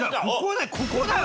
ここだよ